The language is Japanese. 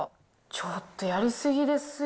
ちょっとやり過ぎですよ。